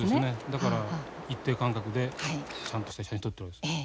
だから一定間隔でちゃんとした写真撮ってるわけです。